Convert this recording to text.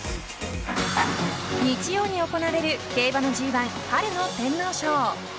日曜に行われる競馬のＧ１春の天皇賞。